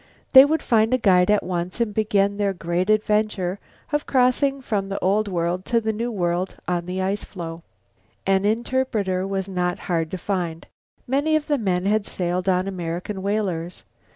They would find a guide at once and begin their great adventure of crossing from the Old World to the New on the ice floe. An interpreter was not hard to find. Many of the men had sailed on American whalers.